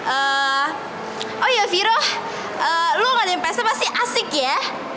eh oh iya viro lu ga demen peste pasti asik ya